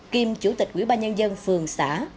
kiêm chủ tịch quỹ ba nhân dân phường xã